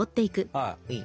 はい。